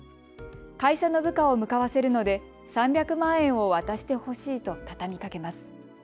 会社の部下を向かわせるので３００万円を渡してほしいと畳みかけます。